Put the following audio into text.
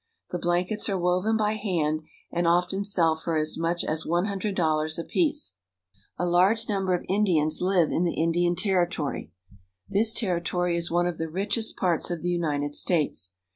The blankets are woven by hand, and often sell for as much as one hundred dollars apiece. A large number of Indians live in the Indian Territory. This territory is one of the richest parts of the United States.